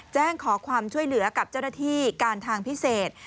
แจ้งขอความช่วยเหลือกับเจ้าหน้าที่การทางพิเศษ